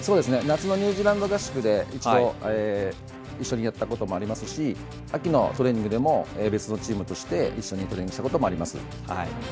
夏のニュージーランド合宿で一度、一緒にやったこともありますし秋のトレーニングでも別のチームとして一緒にトレーニングをしたことがあります。